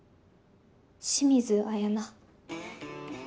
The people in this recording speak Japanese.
清水彩菜。